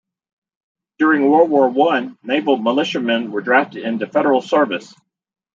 During World War One, naval militiamen were drafted into federal service.